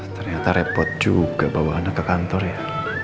ternyata repot juga bawa anak ke kantor ya